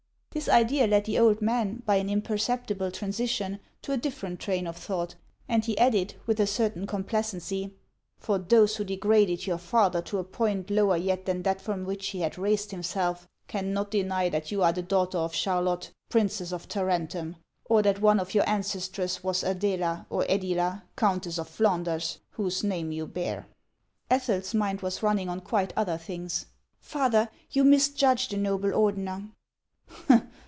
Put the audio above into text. This idea led the old man, by an imperceptible transi tion, to a different train of thought, and he added, with a certain complacency :—" For those who degraded your father to a point lower yet than that from which he had raised himself, can not deny that you are the daughter of Charlotte, Prin cess of Tarentum, or that one of your ancestresses was Adela (or Edila), Countess of Flanders, whose name you bear." 17 258 IIAXS OF ICELAND. Etliel's mind was running on quite other things. " Father, you misjudge the noble Ordener."